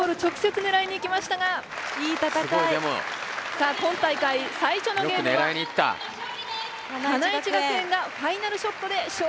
さあ今大会さいしょのゲームは花一学園がファイナルショットでしょ